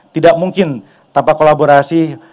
tidak mungkin tanpa kolaborasi